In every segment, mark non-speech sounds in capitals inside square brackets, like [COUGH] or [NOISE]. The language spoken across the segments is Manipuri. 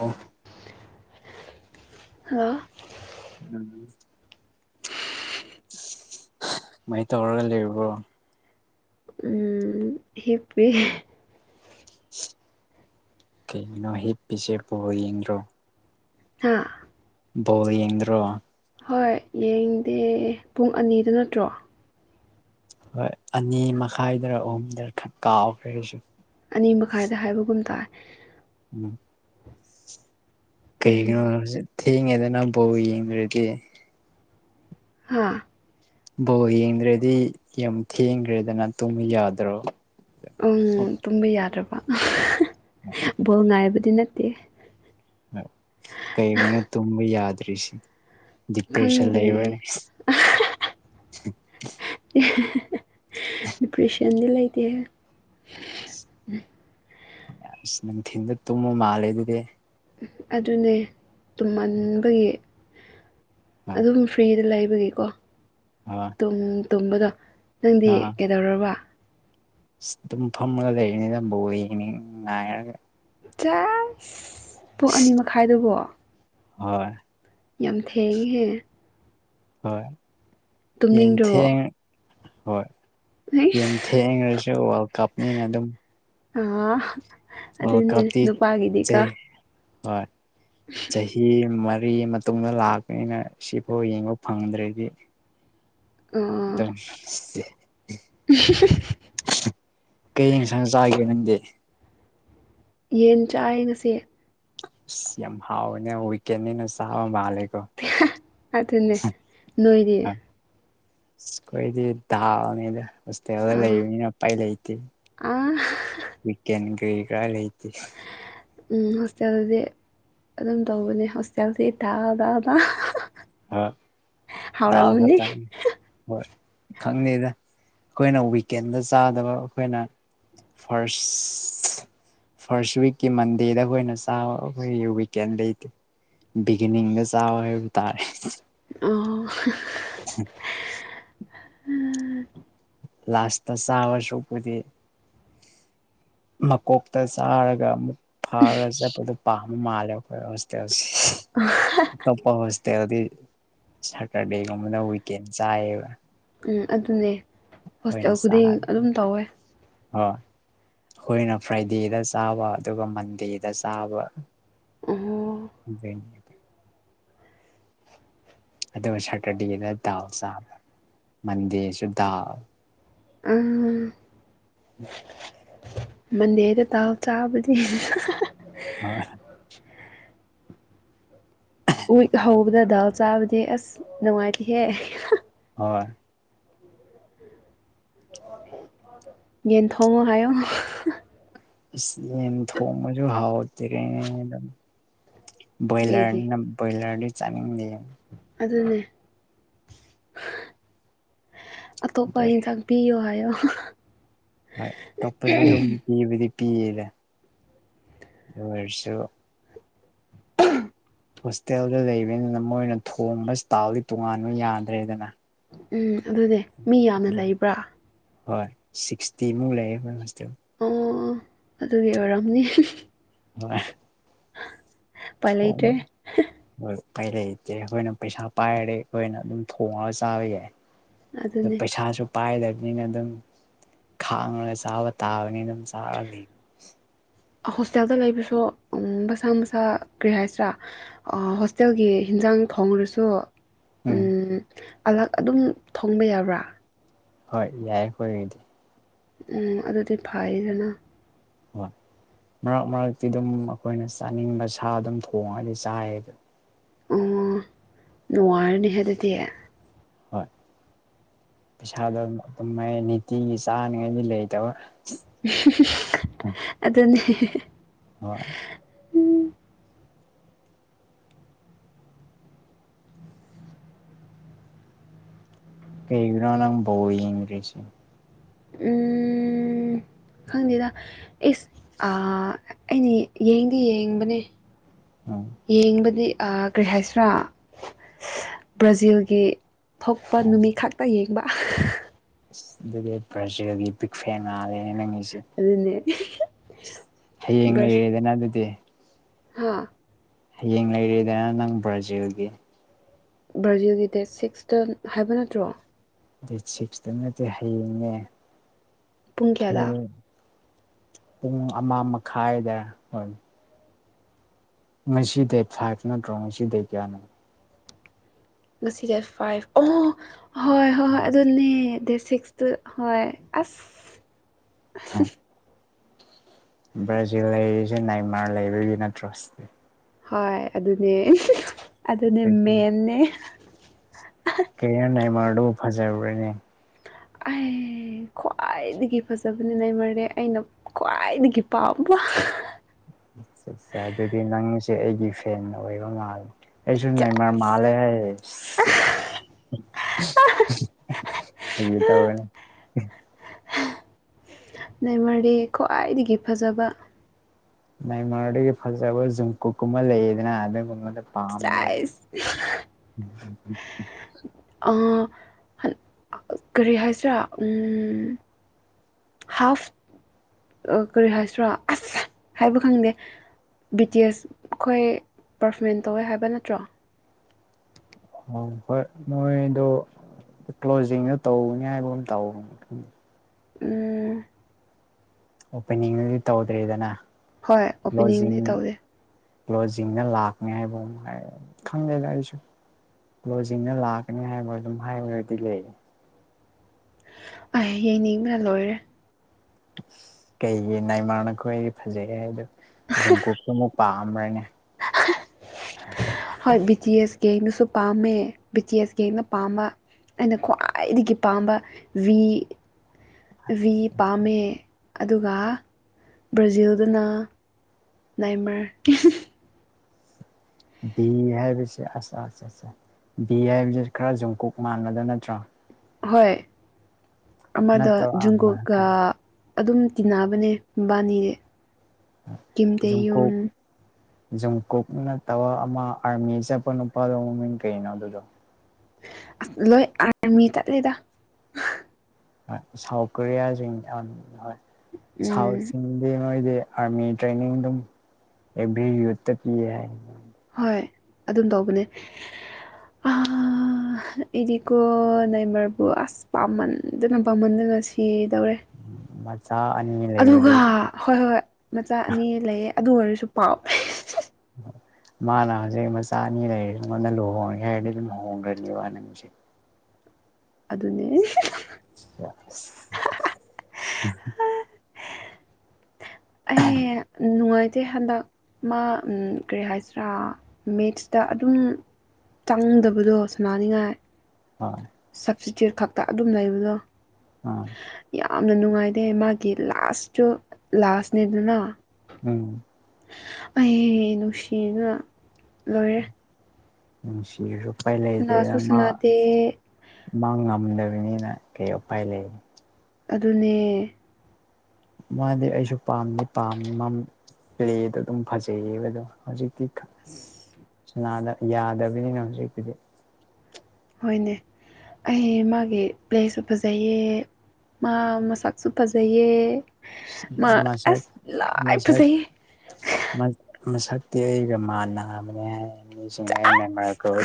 ꯑꯣ ꯍꯜꯂꯣ ꯎꯝ ꯀꯃꯥꯏꯅ ꯇꯧꯔꯒ ꯂꯩꯔꯕ꯭ꯔꯣ ꯎꯝ ꯍꯤ ꯄꯄꯤ ꯀꯩꯩꯅꯣ ꯍꯤꯞ ꯄꯁꯦ ꯄ ꯌꯦ꯭ꯔꯣ ꯍꯥꯥ ꯣ ꯌꯦ꯭ꯔꯣ ꯍꯣꯏ ꯌꯦꯡꯗꯦ ꯄꯨꯡ ꯑꯅꯤꯗ ꯅꯠꯇ꯭ꯔꯣ ꯍꯣꯏ ꯑꯅꯤ ꯃꯈꯥꯏꯗꯔ ꯑꯍꯨꯝꯗꯔ ꯈ ꯀꯥꯎꯈ꯭ꯔꯦꯁꯨ ꯑꯅꯤ ꯃꯈꯥꯏꯗ ꯍꯥꯏꯕꯒꯨꯝ ꯇꯥꯔꯦ ꯎꯝ ꯎꯝ ꯀꯩꯒꯤꯅꯣ ꯊꯦꯡꯉꯦꯗ ꯅꯪ ꯕꯥꯎ ꯌꯦꯡꯗꯥꯔꯗꯤꯦ ꯍꯥꯥ ꯕꯣꯂ ꯌꯦꯡꯗ꯭ꯔꯦꯗꯤ ꯌꯥꯝ ꯊꯦꯡꯈ꯭ꯔꯦꯗꯅ ꯇꯨꯝꯕ ꯌꯥꯗ꯭ꯔꯣ ꯎꯝ ꯇꯨꯝꯕ ꯌꯥꯗ꯭ꯔꯕꯥ ꯕꯣꯜ ꯉꯥꯏꯕꯗꯤ ꯅꯠꯇꯦ ꯀꯩꯒꯤꯅ ꯇꯨꯝꯕ ꯌꯥꯗ꯭ꯔꯤꯁꯤ ꯗꯤꯄ꯭ꯔꯦꯁꯟꯗꯤ ꯈꯪꯗꯦ ꯂꯩꯕꯅꯤ ꯗꯤꯄ꯭ꯔꯦꯁꯟꯗꯤ ꯂꯩꯇꯦ ꯁ ꯅꯪ ꯊꯤꯟꯗ ꯇꯨꯝꯃ ꯃꯥꯂꯦ ꯑꯗꯨꯗꯦ ꯑꯗꯨꯅꯦ ꯇꯨꯝꯃꯟꯕꯒꯤ ꯑꯥ ꯑꯗꯨꯝ ꯐ꯭ꯔꯤꯗ ꯂꯩꯕ ꯍꯥꯏꯒꯤꯀꯣ ꯑꯥ ꯇꯨꯝꯕꯗꯣ ꯅꯪꯗꯤ ꯀꯩꯗꯧꯔꯕ ꯇꯨꯝ ꯐꯗꯅꯤꯝꯕꯣꯅꯤ ꯉꯒ ꯆꯁ ꯄꯨꯡ ꯑꯅꯤ ꯃꯈꯥꯏꯗꯨꯕꯣ ꯍꯣꯏ ꯌꯥꯝ ꯊꯦꯡꯉꯦꯍꯦ ꯍꯣꯏ ꯇꯨꯝꯅꯤꯡꯗ꯭ꯔꯕꯣ ꯌꯦꯊꯦꯡ ꯍꯣꯏ ꯌꯥꯝ ꯑꯩꯁ ꯊꯦꯡꯈ꯭ꯔꯁꯨ ꯋꯥꯔꯜ ꯀꯞꯅꯤꯅ ꯑꯗꯨꯝ ꯑ ꯋꯥꯔꯜ ꯑꯗꯨꯗꯅꯦꯦꯅꯦ ꯀꯞꯇꯤ ꯅꯨꯄꯥꯒꯗꯀ ꯆꯩ ꯍꯣꯏ ꯆꯍꯤ ꯆꯍꯤ ꯃꯔ ꯀꯔꯤ ꯃꯇꯨꯡꯗ ꯂꯥꯛꯄꯅꯤꯅ ꯁꯤꯐꯥꯎ ꯌꯦꯡꯕ ꯐꯪꯗ꯭ꯔꯗꯔꯗꯤ ꯑꯥ ꯑꯗꯨꯝꯦ ꯀꯩ ꯌꯦꯡꯁꯥꯡ ꯆꯥꯒꯦ ꯅꯪꯗꯤ ꯌꯦꯟ ꯆꯥꯛꯌꯦ ꯉꯁꯤ ꯁꯤ ꯌꯥꯝ ꯍꯥꯎ ꯍꯧꯏ ꯀꯦꯅꯤ ꯅ ꯁꯥꯥꯎ ꯃꯥ ꯑꯗꯨ ꯑꯗꯨꯟꯅꯅꯦ ꯅꯣꯏꯗꯤ ꯀꯣꯏꯗꯤ ꯗꯜꯅꯤꯗ ꯍꯣꯁꯇꯦꯜꯗ ꯑꯥ ꯂꯩꯕꯅꯤꯅꯥ ꯎꯄꯥꯏ ꯂꯩꯇꯦ ꯑꯥ ꯀ ꯀꯥꯏꯂꯇꯦ ꯎ ꯍꯣꯁꯇꯦꯜꯗꯗꯤ ꯑꯗꯨꯝ ꯇꯧꯕꯅꯦ ꯍꯣꯁꯇꯦꯜꯁꯦ ꯊꯥ ꯇꯥꯗ ꯍ ꯗ ꯈꯇꯥ ꯍꯣꯏ ꯈꯪꯗꯦꯗ ꯑꯩꯈꯣꯏꯅ ꯋꯤꯀꯦꯟꯗ ꯆꯥꯗꯕ ꯑꯩꯈꯣꯏꯅ ꯐꯥꯔꯁ ꯐꯥꯔꯁ ꯋꯤꯛꯀꯤ ꯃꯟꯗꯦꯗꯅ ꯆꯥꯕ ꯑꯩꯈꯣꯏ ꯋꯤꯀꯦꯟ ꯂꯩꯇꯦ ꯕꯤꯒꯤꯅꯤꯡꯒ ꯆꯥꯎꯋꯦ ꯍꯥꯏꯕ ꯇꯥꯔꯦ ꯑꯣ ꯎꯝ ꯂꯥꯁꯇ ꯁꯕ ꯁꯨ ꯎꯄꯗꯤ ꯃꯀꯣꯛꯇ ꯆꯥꯔꯒ ꯑꯃꯨꯛ ꯐꯥꯔꯒ ꯆꯠꯄꯗꯨ ꯄꯥꯝꯕ ꯃꯥꯜꯂꯦ ꯑꯩꯈꯣꯏ ꯍꯣꯁꯇꯦꯜꯁꯦ ꯎ ꯑꯇꯣꯞꯄ ꯍꯣꯁꯇꯦꯜꯗꯤ ꯁꯇꯔꯗꯦꯒꯨꯝꯕꯅ ꯋꯤꯀꯦꯟ ꯆꯥꯏꯌꯦꯕ ꯎꯝ ꯑꯗꯨꯅꯦ ꯑꯩꯈꯣꯏꯅ ꯍꯣꯁꯇꯦꯜ ꯈꯨꯗꯤꯡ ꯆꯥꯕ ꯑꯗꯨꯝ ꯇꯧꯋꯦ ꯍꯣꯏ ꯑꯩꯈꯣꯏꯅ ꯐ꯭ꯔꯥꯏꯗꯦꯗ ꯆꯥꯕ ꯑꯗꯨꯒ ꯃꯟꯗꯦꯗ ꯆꯥꯕ ꯑꯝ ꯦ [INAUDIBLE] ꯑꯗꯨꯒ ꯁꯇꯔꯗꯦꯗ ꯗꯥꯎꯜ ꯆꯥꯕ ꯃꯟꯗꯦꯁꯨ ꯗꯥꯜ ꯑꯝ [INAUDIBLE] ꯃꯟꯗꯦꯗ ꯇꯥꯎ ꯆꯥꯕꯗꯤ ꯍꯣꯏ ꯎꯏꯛ ꯍꯧꯕꯗ ꯗꯥꯜ ꯆꯥꯕꯗꯤ ꯑꯁ ꯅꯨꯡꯉꯥꯏꯇꯍꯦ ꯍꯣꯏ ꯌꯦꯟ ꯊꯣꯡꯉꯣ ꯍꯥꯏꯌꯣ ꯊ ꯃꯖ ꯍꯥꯥꯎ ꯀ ꯭ꯔꯣꯣꯌꯂꯔ ꯭ꯔꯣꯣꯌꯂꯔꯗꯤ ꯆꯥꯡ ꯑꯗꯨꯗꯟꯅꯦ ꯑꯇꯣꯞꯄ ꯍꯣꯏ ꯍꯤꯟꯖꯥꯛ ꯄꯤꯌꯨ ꯍꯥꯏꯌꯣ ꯇꯄꯁꯨ ꯑꯗꯨ ꯄ ꯄꯤꯌꯦꯔ ꯑꯣꯏ ꯑꯣꯏꯔꯁꯨ ꯍꯣꯁꯇꯦꯜꯗ ꯂꯩꯕꯅꯤꯅ ꯃꯣꯏꯅ ꯊꯣꯡꯕ ꯏꯁꯇꯥꯜꯗꯤ ꯇꯣꯉꯥꯟꯕ ꯌꯥꯗ꯭ꯔꯦꯗꯅ ꯎꯝ ꯑꯗꯨꯅꯦ ꯃꯤ ꯌꯥꯝꯅ ꯑꯗꯨꯅ ꯂꯩꯕ꯭ꯔꯥ ꯍꯣꯏ ꯁꯤꯛꯁꯇꯤꯃꯨꯛ ꯂꯩꯔꯦ ꯑꯣ ꯑꯗꯨꯒꯤ ꯑꯣꯏꯔꯝꯅꯤ ꯍ ꯎꯄꯥꯏ ꯂꯩꯇ꯭ꯔꯦ ꯍ ꯀꯩ ꯂꯩꯇꯦ ꯑꯩꯈꯣꯏꯅ ꯄꯩꯁꯥ ꯄꯥꯏꯔꯦ ꯑꯩꯈꯣꯏꯅ ꯑꯗꯨꯝ ꯊꯣꯡꯉꯒ ꯆꯥꯕ ꯌꯥꯏ ꯑ ꯑꯗꯨꯅꯦ ꯄꯩꯁꯥꯁꯨ ꯄꯥꯏꯗꯕꯅꯤꯅ ꯑꯗꯨꯝ ꯈꯥꯡꯉꯒ ꯆꯥꯕ ꯇꯥꯕꯅꯤꯅ ꯑꯗꯨꯝ ꯆꯥꯔ ꯂꯩ ꯍꯣꯁꯇꯦꯜꯗ ꯂꯩꯕꯁꯨ ꯃꯁꯥ ꯃꯁꯥ ꯀꯔꯤ ꯍꯥꯏꯁꯤꯔꯥ ꯍꯣꯁꯇꯦꯜꯒꯤ ꯍꯟꯖꯥꯡ ꯊꯣꯡꯔꯁꯨ ꯎꯝ ꯑꯂꯥꯛ ꯑꯗꯨꯝ ꯊꯣꯡꯕ ꯌꯥꯕ꯭ꯔꯥ ꯍꯣꯏ ꯌꯥꯏꯦ ꯑꯣꯏꯉꯗꯤ ꯎꯝ ꯑꯗꯨꯗꯤ ꯐꯩꯗꯅ ꯍ ꯃꯔꯛ ꯃꯔꯛꯇꯤ ꯑꯗꯨꯝ ꯑꯩꯈꯣꯏꯅ ꯆꯥꯅꯤꯡꯕ ꯁꯥ ꯑꯗꯨꯝ ꯊꯣꯡꯉꯗꯤ ꯆꯥꯏꯗ ꯑꯣ ꯅꯨꯡꯉꯥꯏꯔꯅꯤ ꯍꯥꯏ ꯑꯗꯨꯗꯤ ꯍꯣꯏ ꯄꯩꯁꯥꯗꯣ ꯑꯗꯨꯝ ꯅꯤꯇꯤꯒꯤ ꯆꯥꯅꯤꯉꯥꯏꯗꯤ ꯂꯩꯇꯕ ꯑꯗꯨꯅꯤ ꯍꯣꯏ ꯀꯩꯒ꯭ꯔꯣ ꯂ ꯏꯦꯁꯦ ꯎꯝ ꯈꯪꯗꯦꯗ ꯑꯦꯁ ꯑꯩꯅ ꯌꯦꯡꯗꯤ ꯌꯦꯡꯕꯅꯦ ꯎꯝ ꯌꯦꯡꯕꯗꯤ ꯀꯔꯤ ꯍꯥꯏꯁꯔꯥ ꯕ꯭ꯔꯥꯖꯤꯜꯒꯤ ꯊꯣꯛꯄ ꯅꯨꯃꯤꯠ ꯈꯛꯇ ꯌꯦꯡꯕ ꯑꯗꯨꯗꯒꯤ ꯕ꯭ꯔꯥꯖꯤꯜꯒꯤ ꯕꯤꯛ ꯐꯦꯅꯥ ꯂꯩꯅ ꯅꯪ ꯑꯗꯨꯅꯦ ꯍꯌꯦꯡ ꯂꯩꯔꯦꯗꯅ ꯑꯗꯨꯗꯤ ꯍꯥꯥ ꯍꯌꯦꯡ ꯂꯩꯔꯤꯗꯅ ꯅꯪ ꯕ꯭ꯔꯥꯖꯤꯜꯒꯤ ꯕ꯭ꯔꯖꯤꯜꯒꯤ ꯗꯦꯠ ꯁꯤꯛꯁꯇ ꯍꯥꯏꯕ ꯅꯠꯇ꯭ꯔꯣ ꯑꯗꯨ ꯁꯤꯛꯁꯇ ꯅꯗꯤ ꯍꯡꯉꯦ ꯄꯨꯡ ꯀꯌꯥꯗ ꯄꯨꯡ ꯑꯃ ꯃꯈꯥꯏꯗ ꯍꯣꯏ ꯉꯁꯤ ꯗ ꯐꯥꯏꯚ ꯅꯠꯇ꯭ꯔꯣ ꯉꯁꯤꯗ ꯀꯌꯥꯅꯦ ꯉꯁꯤ ꯗꯦ ꯐꯥꯏ ꯑꯣ ꯍꯣꯏ ꯍꯣꯏ ꯍꯣꯏ ꯑꯗꯨꯅꯦ ꯇ ꯍ ꯑꯁ ꯑ ꯕ꯭ꯔꯖ ꯂꯩꯁ ꯅꯥꯏꯃꯔ ꯂꯩꯥꯏꯕꯦꯅ ꯇ꯭ꯔꯁꯦ ꯍꯣꯏ ꯑꯗꯨꯅꯦ ꯑꯗꯨꯅꯦ ꯃꯦꯜ ꯅꯦ ꯑꯗꯨ ꯐꯖꯔꯨꯔꯦꯅꯦ ꯑꯩ ꯈ꯭ꯋꯥꯏꯗꯒꯤ ꯐꯖꯕꯅꯤ ꯂꯩꯃꯔ ꯑꯩꯅ ꯈ꯭ꯋꯥꯏꯗꯒꯤ ꯄꯥꯝꯕ ꯋꯥ ꯑ ꯑꯠꯆꯥ ꯑꯗꯨꯗꯤ ꯅꯪꯁꯦ ꯑꯩꯒꯤ ꯐꯦ ꯑꯣꯏꯕ ꯉꯥꯜꯂꯦ ꯑꯩꯁꯨꯅ ꯅꯩꯃꯔ ꯃꯥ ꯂꯩꯦ ꯍꯦ ꯀꯩ ꯇ ꯐꯒꯅꯦ ꯂꯩꯃꯔꯤ ꯈ꯭ꯋꯥꯏꯗꯒꯤ ꯐꯖꯕ ꯅꯥꯏ ꯃꯒꯤ ꯐꯖꯕ ꯖꯨꯝ ꯀꯨ ꯀꯨꯝꯃ ꯂꯩꯌꯦꯗꯅ ꯑꯗꯨꯒꯨꯝꯕꯅꯤ ꯄꯥꯝ꯭ꯔꯅꯤ ꯆꯥꯏꯁ ꯀꯔꯤ ꯍꯥꯏꯁꯤꯔꯥ ꯍꯥꯐ ꯀꯔꯤ ꯍꯥꯏꯁꯤ꯭ꯔꯥ ꯑꯁ ꯍꯥꯏꯕ ꯈꯪꯗꯦ ꯕꯤ ꯇꯤ ꯑꯦꯁ ꯑꯩꯈꯣꯏ ꯄꯔꯐꯣꯔꯃꯦꯟ ꯇꯧꯋꯦ ꯍꯥꯏꯕ ꯅꯠꯇ꯭ꯔꯣ ꯑꯣ ꯍꯣꯏꯃꯣꯏꯗꯣ ꯀ꯭ꯂꯣꯖꯤꯡꯗꯨ ꯇꯧꯅꯤ ꯍꯥꯏꯕ ꯑꯃ ꯇꯧ ꯎꯝ ꯑꯣꯄꯅꯤꯡꯗꯤ ꯇꯧꯗ꯭ꯔꯔꯤꯗꯅ ꯍꯣꯏ ꯑꯣꯄꯤꯅꯤꯡꯗꯤ ꯇꯧꯗꯦ ꯀ꯭ꯂꯣꯖꯤꯡꯅ ꯂꯥꯛꯅꯤ ꯍꯥꯏꯕ ꯑꯃ ꯍꯥꯏ ꯈꯪꯗꯦꯒ ꯑꯩꯁꯨ ꯂꯣꯖꯤꯡꯅ ꯂꯥꯛꯀꯅꯤ ꯍꯥꯏꯕ ꯑꯗꯨꯝ ꯍꯥꯏꯔꯨꯔꯒꯗꯤ ꯂꯩ ꯑꯩ ꯌꯦꯡꯅꯤꯡꯅ ꯂꯣꯏꯔꯦ ꯀꯩꯒꯤ ꯅꯥꯏꯃꯔꯅꯈꯣꯏ ꯑꯩꯗꯤ ꯐꯖꯩꯑꯦ ꯍꯥꯏ ꯑꯗꯣ ꯖꯨꯝꯀꯨꯞꯁꯨ ꯑꯃꯨꯛ ꯄꯥꯝ [UNINTELLIGIBLE] ꯑ [UNINTELLIGIBLE] ꯍꯣꯏ ꯕꯤ ꯇꯤ ꯑꯦꯁ ꯀ ꯑꯩꯅꯁꯨ ꯄꯥꯝꯃꯦ ꯕꯤ ꯇꯤ ꯑꯦꯁ ꯀ ꯑꯩꯅ ꯄꯥꯝꯕ ꯑꯩꯅ ꯈ꯭ꯋꯥꯏꯗꯒꯤ ꯄꯥꯝꯕ ꯚꯤ ꯄꯥꯝꯃꯦ ꯑꯗꯨꯒ ꯕ꯭ꯔꯥꯖꯤꯜꯗꯅ ꯅꯥꯏꯃꯔ ꯕꯤ ꯍꯥꯏꯁ ꯕꯤ ꯍꯥꯏꯕꯁꯤ ꯈꯔ ꯖꯨꯝꯀꯨꯣꯛ ꯃꯥꯟꯕꯗ ꯅꯠꯇ꯭ꯔꯣ ꯍꯣꯏ ꯑꯃꯗ ꯅꯠꯇꯕ ꯖꯨꯨꯡꯀꯣꯛꯀ ꯑ ꯑꯗꯨꯝ ꯇꯤꯟꯅꯕꯅꯦ ꯃꯕꯥꯅꯤꯁ ꯀꯤꯝ ꯇꯦꯌꯨꯣꯟ ꯖꯨꯝꯀꯨꯞꯅ ꯇꯕ ꯑꯃ ꯑꯥꯔꯃꯤ ꯆꯠꯄ ꯅꯨꯄꯥꯗꯣ ꯃꯃꯤꯡ ꯀꯅꯣ ꯑꯗꯨꯗꯣ ꯂꯣꯏ ꯑꯔꯃꯤ ꯇꯠꯂꯗ ꯁꯥꯎꯊ ꯀꯣꯔꯤꯌꯥ ꯁꯥꯎ ꯎꯝ ꯆꯤꯡꯗꯦ ꯅꯣꯏꯗꯤ ꯑꯥꯔꯃꯤ ꯇ꯭ꯔꯅꯤꯡ ꯑꯗꯨꯝ ꯑꯦꯚꯔꯤ ꯌꯨ ꯄꯤꯌꯦ ꯍꯥꯏ ꯍꯣꯏ ꯑꯗꯨꯝ ꯇꯧꯕꯅꯦ ꯑ ꯏꯗꯤꯀꯣ ꯅꯩꯃꯔꯕꯨ ꯑꯁ ꯄꯥꯝꯅꯗꯅ ꯄꯃꯅꯗꯅ ꯉꯁꯤꯗꯧꯔꯦ ꯃꯆꯥ ꯑꯅꯤ ꯑꯗꯨꯒ ꯂꯩꯕꯗꯨ ꯍꯣꯏ ꯍꯣꯏ ꯃꯆꯥ ꯑꯅꯤ ꯂꯩꯌꯦ ꯑꯗꯨ ꯑꯣꯏꯔꯁꯨ ꯄꯥꯎ ꯃꯥꯅ ꯍꯧꯖꯤꯛ ꯃꯆꯥ ꯑꯅꯤ ꯂꯩꯔꯤꯦ ꯑꯩꯉꯣꯟꯗ ꯂꯨꯍꯣꯡꯒꯦ ꯍꯥꯏꯔꯗꯤ ꯑꯗꯨꯝ ꯂꯨꯍꯣꯡꯈ꯭ꯔꯅꯤꯕ ꯅꯪꯁ ꯑꯗꯨꯅꯦ ꯑ [UNINTELLIGIBLE] ꯑꯩ ꯅꯨꯡꯉꯥꯏꯇꯦ ꯍꯟꯗꯛ ꯃꯥ ꯀꯔꯤ ꯍꯥꯏꯁꯤꯔꯥ ꯃꯦꯠꯁꯇ ꯑꯗꯨꯝ ꯆꯪꯗꯕꯗꯣ ꯁꯨꯃꯅꯤꯡꯉꯥꯏ ꯍꯣꯏ ꯁꯞꯇꯤꯇ꯭ꯌꯨꯠ ꯈꯛꯇ ꯑꯗꯨꯝ ꯂꯩꯕꯗꯣ ꯑꯝ ꯌꯥꯝꯅ ꯅꯨꯡꯉꯥꯏꯇꯦ ꯃꯥꯒꯤ ꯂꯥꯁꯁꯨꯨ ꯂꯥꯁꯅꯦꯗꯅ ꯎꯝ ꯑꯩ ꯅꯨꯡꯁꯤꯅ ꯂꯣꯏꯔꯦ ꯅꯨꯡꯁꯤꯕꯁꯨ ꯎꯄꯥꯏ ꯂꯩꯇꯦꯅ ꯁꯅꯥꯁꯨ ꯃꯥ ꯁꯅꯥꯗꯦ ꯃꯥ ꯉꯝꯗꯕꯅꯤꯅ ꯀꯩꯄꯥꯏ ꯂꯩ ꯑꯗꯨꯅꯦ ꯃꯥꯗꯤ ꯑꯩꯁꯨ ꯄꯥꯝꯗ ꯄꯥ ꯄ꯭ꯂꯦꯗꯣ ꯑꯗꯨꯝ ꯐꯖꯩꯌꯦꯕ ꯑꯗꯣ ꯍꯧꯖꯤꯛꯇꯤ ꯎꯝ ꯌꯥꯗꯕꯅꯤꯅ ꯍꯧꯖꯤꯛꯀꯤꯨꯗꯤ ꯍꯣꯏꯅꯦ ꯑꯩ ꯃꯥꯒꯤ ꯄ꯭ꯂꯦꯁꯨ ꯐꯖꯩꯌꯦ ꯃꯥ ꯃꯁꯛꯁꯨ ꯐꯖꯩꯌꯦ ꯃꯥ ꯃꯁꯛ ꯑꯁ ꯂꯥꯏ ꯃꯁꯛ ꯐꯖꯩꯌꯦ ꯃꯁꯛ ꯀ ꯔꯃꯥꯟꯅꯥ ꯑꯃꯅꯤꯅ ꯆꯁꯤꯡꯉ ꯏꯃ ꯀꯧꯕ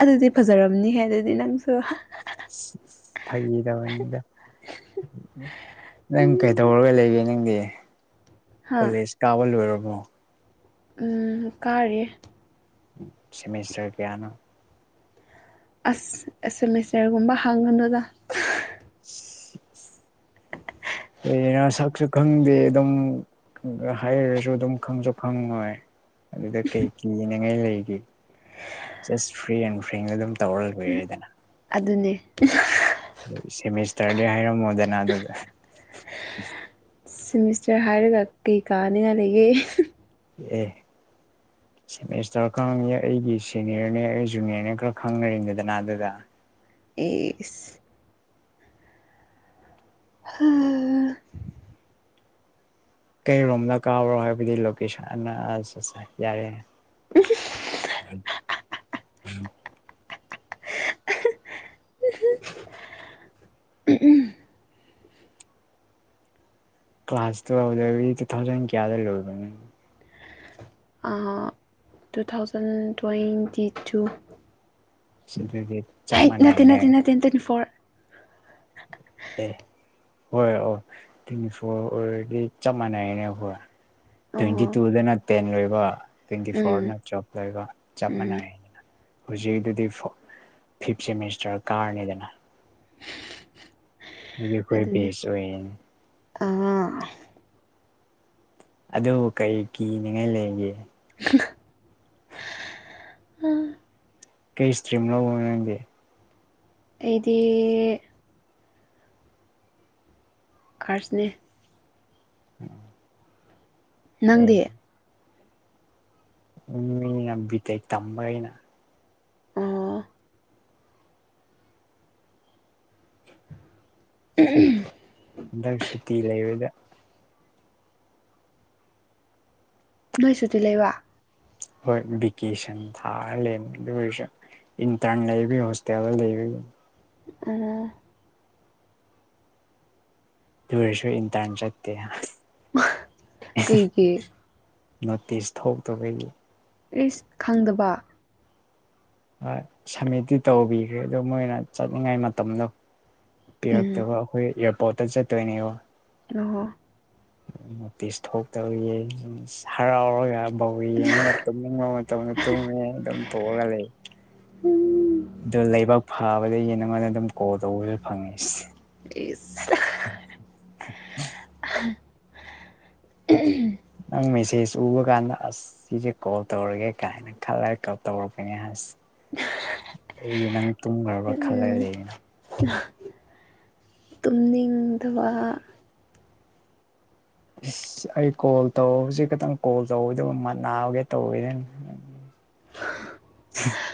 ꯑꯗꯨꯗꯤ ꯐꯖꯔꯝꯅꯤꯍꯦ ꯑꯗꯨꯗꯤ ꯅꯪꯁꯨ ꯊꯒꯤꯗꯗ ꯅꯪ ꯀꯩꯗꯧꯔꯒ ꯂꯩꯒꯦ ꯅꯪꯗꯤ ꯍꯥ ꯀꯣꯂꯦꯖ ꯀꯥꯕ ꯂꯣꯏꯔꯕꯣ ꯎꯝ ꯀꯥꯔꯦ ꯁꯦꯃꯤꯁꯇꯔ ꯀꯌꯥꯅ ꯑꯁ ꯑꯦꯁ ꯑꯦꯦꯝꯁꯔꯒꯨꯝꯕ ꯍꯥꯡꯅꯗ [UNINTELLIGIBLE] ꯀꯩꯅ ꯁꯛꯁꯨ ꯈꯪꯗꯦ ꯑꯗꯨꯝ ꯍꯥꯏꯔꯁꯨ ꯑꯗꯨꯝ ꯈꯪꯁꯨ ꯈꯪꯉꯣꯏ ꯑꯗꯨꯗ ꯀꯩ ꯀꯤꯅꯉꯥꯏ ꯂꯩꯒꯦ ꯖ ꯐ꯭ꯔꯤ ꯑꯦꯟ ꯐꯔꯤ ꯑꯗꯨꯝ ꯇꯧꯔ ꯑꯗꯨꯅꯦ ꯍꯣꯏ ꯁꯦꯃꯤꯁꯇꯔꯗꯤ ꯍꯥꯏꯔꯝꯃꯣꯗꯅ ꯑꯗꯨꯗ ꯁꯦꯃꯤꯁꯇꯔ ꯍꯥꯏꯔꯒ ꯀꯩ ꯀꯥꯅꯤꯡꯉꯥꯏ ꯂꯩꯒꯦ ꯑꯦ ꯁꯇꯔ ꯈꯪꯉ ꯑꯩꯒꯤ ꯁꯦꯅꯤꯌꯔꯅꯦ ꯑꯩ ꯖꯨꯅꯤꯌꯔꯅꯦ ꯈꯔ ꯈꯪꯅꯔꯤꯗꯗꯅ ꯑꯗꯨꯗ ꯑꯦꯁ ꯎꯝ ꯀꯩꯔꯣꯝꯗ ꯀꯥꯕ꯭ꯔꯣ ꯍꯥꯏꯕꯗꯤ ꯂꯣꯀꯦꯁꯟ ꯑ ꯑ ꯌꯥꯔꯦ ꯎꯝ [UNINTELLIGIBLE] ꯎ ꯀ ꯀ꯭ꯂꯥꯁ ꯇ ꯍꯧꯗ ꯊꯧꯖ ꯀꯌꯥꯗ ꯂꯧꯣꯏꯕ ꯇꯨ ꯊꯥꯎꯖꯟ ꯇ꯭ꯋꯦꯟꯇꯤ ꯇꯨ ꯁꯤ ꯆꯞ ꯍꯩꯠ ꯃꯅꯥ ꯅꯠꯇꯦ ꯅꯠꯇꯦ ꯅꯠꯇꯦ ꯇ꯭ꯋꯦꯟꯇꯤ ꯐꯣꯔ ꯑꯦ ꯍꯣꯏ ꯑꯣ ꯐꯣ ꯑꯣꯏꯔꯦꯗꯤ ꯆꯞ ꯃꯥꯟꯅꯩꯅꯦ ꯑꯩꯈꯣꯏ ꯇ꯭ꯋꯦꯟꯇꯤ ꯑꯣ ꯇꯨꯗꯅ ꯇꯦꯟ ꯂꯣꯏꯕ ꯇ꯭ꯋꯦꯟꯇꯤ ꯎꯝ ꯐꯣꯔꯅ ꯆꯞ ꯎꯝ ꯃꯥꯟꯅꯩꯅ ꯍꯧꯖꯤꯛꯗꯨꯗꯤ ꯐꯤꯞ ꯁꯦꯃꯤꯁꯇꯔ ꯀꯥꯔꯅꯤꯗꯅ ꯑꯗꯨꯈꯣꯏ ꯑꯗꯨꯅꯦ ꯕꯦꯁ ꯑꯣꯏꯅꯤ ꯑꯥ ꯑꯗꯨ ꯀꯩ ꯀꯤꯅꯤꯉꯥꯏ ꯂꯩꯒꯦ ꯎꯝ ꯀꯩ ꯏꯁꯇ꯭ꯔꯤ ꯑꯃ ꯂꯧꯒꯦ ꯑꯩꯗꯤ ꯈꯔꯁꯅꯦ ꯎꯝ ꯅꯪꯗꯦ ꯎ ꯃꯤ ꯅꯕꯤ ꯇ ꯇꯝꯕꯒꯅ ꯑꯣ ꯎꯝ ꯍꯟꯗꯛ ꯁꯨꯇꯤ ꯂꯩꯕꯗ ꯅꯣꯏ ꯁꯨꯇꯤ ꯂꯩꯕ ꯍꯣꯏ ꯚꯦꯀꯦꯁꯟ ꯊꯥꯔꯂꯦ ꯑꯗꯨ ꯑꯣꯏꯔꯁꯨ ꯏꯟꯇ꯭ꯔꯥꯟ ꯂꯩꯕꯤ ꯍꯧꯁ ꯇꯌꯥꯗ ꯂꯩꯕꯤ ꯑ ꯇꯔꯁꯨ ꯏꯟꯇꯥꯟ ꯆꯠꯇꯦ ꯀꯩ ꯀꯦ ꯅꯣꯇꯤꯁ ꯊꯣꯛꯧꯇꯕꯒꯤ ꯁ ꯈꯪꯗꯕ ꯁꯃꯤꯠꯇꯤ ꯇꯧꯕꯤꯈ꯭ꯔꯦ ꯑꯗ ꯃꯣꯏꯅ ꯆꯠꯅꯤꯡꯉꯥꯏ ꯃꯇꯝꯗꯣ ꯎꯝ ꯄꯤꯔꯛꯇꯕ ꯑꯩꯈꯣꯏ ꯑꯦꯌꯥꯔꯄꯣꯔꯠꯇ ꯆꯠꯇꯣꯏꯅꯦꯕ ꯑ ꯍꯣ ꯄꯤꯤꯁ ꯊꯣꯛꯇꯧꯒꯤ ꯍꯔꯥꯎꯔꯒ ꯐꯧ ꯌꯦꯡꯉꯒ ꯇꯨꯝꯅꯤꯡꯕ ꯃꯇꯝꯗ ꯇꯨꯝꯉꯦ ꯑꯗꯨꯝ ꯊꯣꯛꯑꯒ ꯂꯩ ꯎꯝ ꯑꯗꯨ ꯂꯩꯕꯥꯛ ꯐꯥꯕꯗꯒꯤ ꯅꯉꯣꯟꯗ ꯑꯗꯨꯝ ꯀꯣꯜ ꯇꯧꯕꯁꯨ ꯐꯪꯉꯦ ꯁ ꯄꯨꯡ ꯃꯦꯁꯦꯖ ꯎꯕ ꯀꯥꯟꯗ ꯑꯁ ꯁꯤꯁꯦ ꯀꯣꯜ ꯇꯧꯔꯒꯦ ꯀꯥꯏꯅ ꯈꯜꯂꯒ ꯀꯣꯜ ꯇꯧꯔꯛꯄꯅꯦ ꯑꯁ ꯑꯩꯗꯤ ꯅꯪ ꯇꯨꯝꯈ꯭ꯔꯕ ꯈꯜꯂꯒ ꯎꯝ ꯔꯩꯔꯝꯅꯤ ꯇꯨꯝꯅꯤꯡꯗꯕ ꯑꯗꯨꯒꯤ ꯏꯁꯁ ꯑꯩ ꯀꯣꯜ ꯇꯧꯕꯁꯤ ꯈꯤꯇꯪ ꯀꯣꯜ ꯇꯧꯏꯗꯕ ꯃ ꯅꯥꯕꯒꯦ ꯇꯧꯋꯤꯗꯅ [UNINTELLIGIBLE]